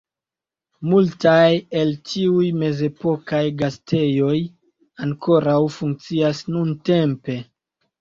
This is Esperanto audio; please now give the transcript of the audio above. Multaj el tiuj mezepokaj gastejoj ankoraŭ funkcias nuntempe.